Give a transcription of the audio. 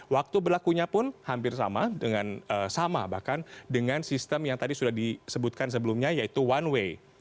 waktu berlakunya pun hampir sama dengan sama bahkan dengan sistem yang tadi sudah disebutkan sebelumnya yaitu one way